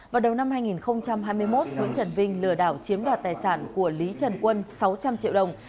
vào đầu năm hai nghìn hai mươi một nguyễn trần vinh lừa đảo chiếm đoạt tài sản của lý trần quân sáu trăm linh triệu đồng